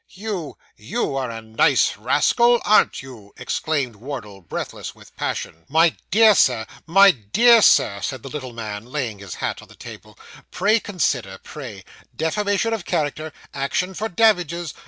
'You you are a nice rascal, arn't you?' exclaimed Wardle, breathless with passion. 'My dear Sir, my dear sir,' said the little man, laying his hat on the table, 'pray, consider pray. Defamation of character: action for damages.